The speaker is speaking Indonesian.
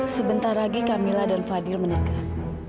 sebentar lagi camilla dan fadil menikah